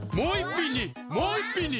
もう１品に！